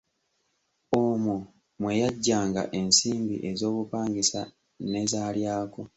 Omwo mwe yaggyanga ensimbi ez’obupangisa ne z’alyako.